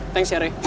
thanks ya rey